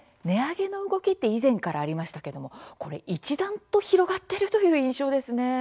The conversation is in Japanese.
値上げの動きって以前からありましたけどこれ、一段と広がっているという印象ですね。